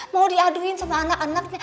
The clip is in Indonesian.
mau diaduin sama anak anaknya